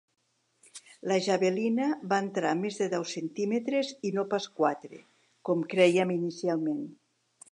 La javelina va entrar més de deu centímetres i no pas quatre, com crèiem inicialment.